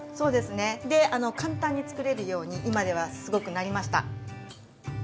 簡単につくれるように今ではすごくなりました。